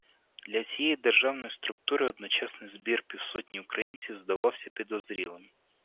Для цієї державної структури одночасний збір півсотні українців здавався підозрілим